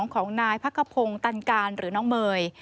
ของนายพักขพงศ์ตันการหรือน้องเมย์